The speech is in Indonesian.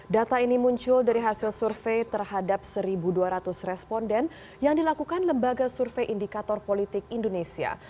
data ini muncul dari hasil survei terhadap satu dua ratus responden yang dilakukan lembaga survei indikator politik indonesia